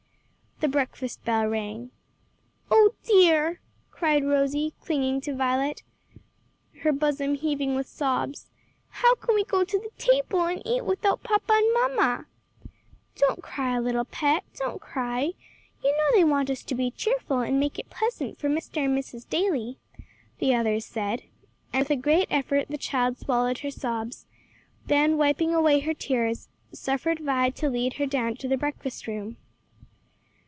The breakfast bell rang. "Oh, dear!" cried Rosie clinging to Violet, her bosom heaving with sobs, "how can we go to the table and eat without papa and mamma!" "Don't cry, little pet, don't cry; you know they want us to be cheerful and make it pleasant for Mr. and Mrs. Daly," the others said, and with a great effort the child swallowed her sobs; then wiping away her tears, suffered Vi to lead her down to the breakfast room.